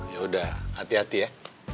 yaudah hati hati ya